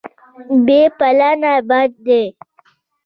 بې پلانه بد دی.